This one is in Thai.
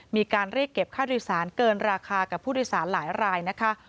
มีการเรียกเก็บค่าโดยสารเกินราคากับผู้โดยสารหลายรายนะคะ